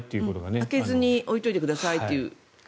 開けずに置いといてくださいってね。